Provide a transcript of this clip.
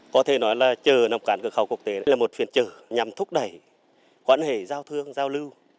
có thể nói là chợ nậm cắn cường khẩu cục tế là một phiên chợ nhằm thúc đẩy quan hệ giao thương giao lưu